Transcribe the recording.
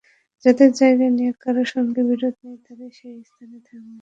যাদের জায়গা নিয়ে কারও সঙ্গে বিরোধ নেই, তারা সেই স্থানেই থাকবে।